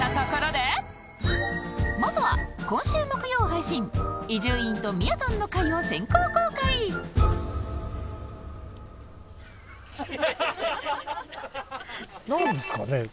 まずは今週木曜配信伊集院とみやぞんの回を先行公開なんですかね？